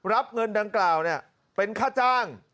รับเงินดังกล่าวเป็นค่าจ้าง